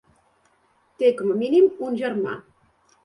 Té com a mínim un germà.